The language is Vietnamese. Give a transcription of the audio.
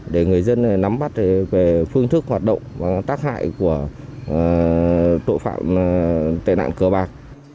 để người dân nắm bắt về phương thức hoạt động và tác hại của tội phạm tệ nạn cờ bạc